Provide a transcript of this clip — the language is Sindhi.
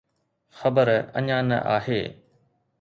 خبر اڃا نه آهي.